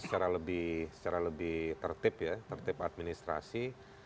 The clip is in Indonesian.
secara lebih tertib ya tertib administrasi